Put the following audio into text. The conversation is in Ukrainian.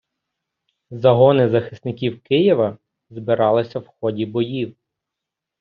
Загони захисників Києва збиралися в ході боїв.